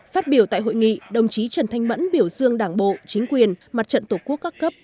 phát biểu tại hội nghị đồng chí trần thanh mẫn biểu dương đảng bộ chính quyền mặt trận tổ quốc các cấp